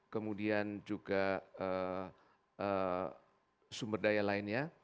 kemudian juga sumber daya lainnya